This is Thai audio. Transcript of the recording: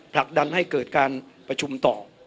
ผลักดันให้เกิดการประชุมต่อ